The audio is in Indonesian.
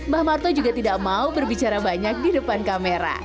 bah marto juga tidak mau berbicara banyak di depan kamera